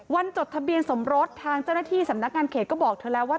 จดทะเบียนสมรสทางเจ้าหน้าที่สำนักงานเขตก็บอกเธอแล้วว่า